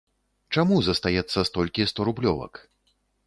Чаму застаецца столькі сторублёвак?